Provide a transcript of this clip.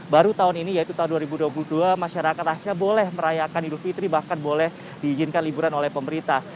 baru tahun ini yaitu tahun dua ribu dua puluh dua masyarakat akhirnya boleh merayakan idul fitri bahkan boleh diizinkan liburan oleh pemerintah